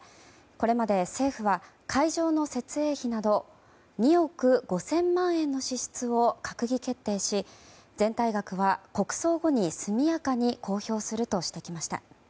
これまで政府は会場の設営費など２億５０００万円の支出を閣議決定し全体額は国葬後に速やかに公表するとしてきました。